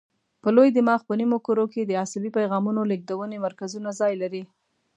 په لوی دماغ په نیمو کرو کې د عصبي پیغامونو لېږدونې مرکزونه ځای لري.